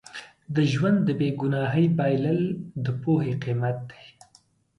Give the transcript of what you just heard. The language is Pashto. د ژوند د بې ګناهۍ بایلل د پوهې قیمت دی.